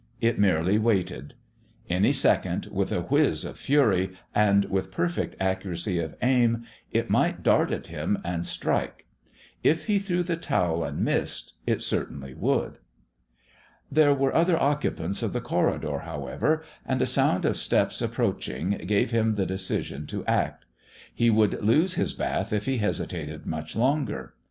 It merely waited. Any second, with a whiz of fury, and with perfect accuracy of aim, it might dart at him and strike. If he threw the towel and missed it certainly would. There were other occupants of the corridor, however, and a sound of steps approaching gave him the decision to act. He would lose his bath if he hesitated much longer.